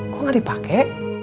kok ga dipake